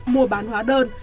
mùa bán hóa đơn